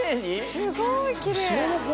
すごいきれい。